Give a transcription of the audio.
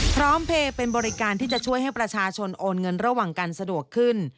พร้อมเพลย์เป็นบริการที่จะช่วยให้ประชาชนโอนเงินระหว่างการสะดวกขึ้น